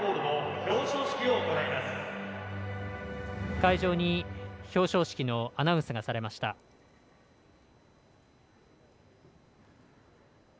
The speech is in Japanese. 会場に、表彰式のアナウンスがされました。